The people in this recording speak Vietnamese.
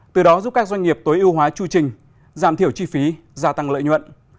từ đó giúp các doanh nghiệp tối ưu hóa chu trình giảm thiểu chi phí gia tăng lợi nhuận